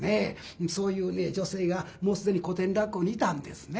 そういう女性がもう既に古典落語にいたんですね。